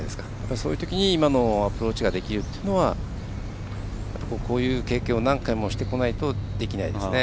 そういうときに今のアプローチができるというのはこういう経験を何回もしてこないとできないですね。